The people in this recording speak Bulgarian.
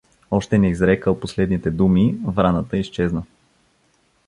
Още неизрекъл последните думи, враната изчезна.